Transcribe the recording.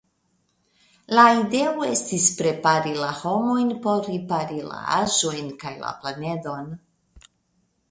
La ideo estis prepari la homojn por ripari la aĵojn kaj la planedon.